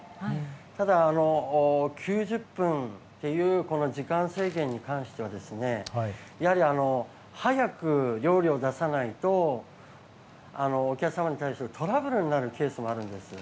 ただ、９０分という時間制限に関してはやはり、早く料理を出さないとお客様に対してトラブルになるケースもあるんです。